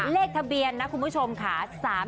เลขทะเบียนคุณผู้ชมค่ะ๓๓๙๕